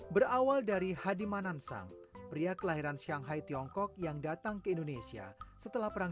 berawal dari hadi manansang pria kelahiran shanghai tiongkok yang datang ke indonesia setelah perang